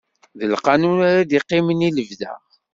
D lqanun ara d-iqqimen i lebda